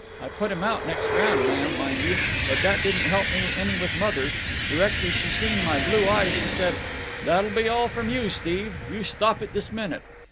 I put him out next round, ma'am, mind you, but that didn't help me any with mother. Directly she seen me blue eye she said: 'That'll be all from you, Steve. You stop it this minute.